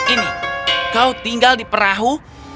ini kau tinggal di perahu